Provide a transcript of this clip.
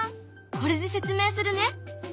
これで説明するね。